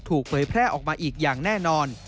เผยแพร่ออกมาอีกอย่างแน่นอน